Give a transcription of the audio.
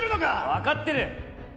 分かってる！